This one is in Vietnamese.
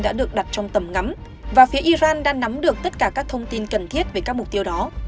đã được đặt trong tầm ngắm và phía iran đã nắm được tất cả các thông tin cần thiết về các mục tiêu đó